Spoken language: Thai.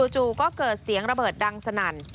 จู่ก็เกิดเสียงระเบิดดังสนั่น